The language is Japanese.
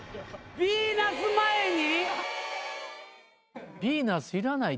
ヴィーナス前に？